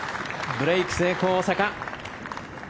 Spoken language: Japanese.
ブレーク成功、大坂。